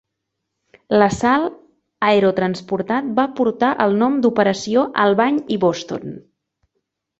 L'assalt aerotransportat va portar el nom d'operació Albany i Boston.